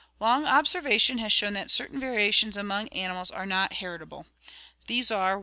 — Long observation has shown that certain variations among animals are not heritable. These are: 1.